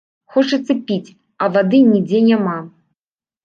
Хочацца піць, а вады нідзе няма.